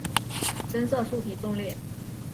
深色树皮纵裂。